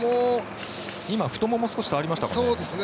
今、太もも少し触りましたかね。